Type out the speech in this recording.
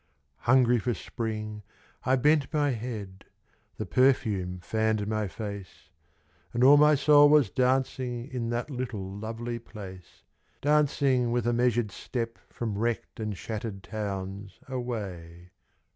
Hungry for Spring I bent my head, The perfume fanned my face, And all my soul was dancing In that little lovely place, Dancingwith a measured step from wrecked and shattered towns Away